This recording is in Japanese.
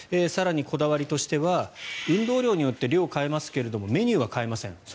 更にこだわりとしては運動量によって量を変えますがメニューは変えません。